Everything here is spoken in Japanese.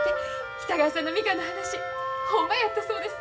北川さんのみかんの話ほんまやったそうです。